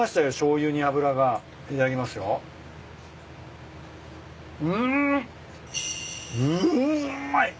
うんまい！